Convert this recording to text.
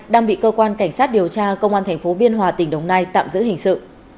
đang bị cơ quan cảnh sát điều tra công an thành phố biên hòa tỉnh đồng nai tạm giữ hình sự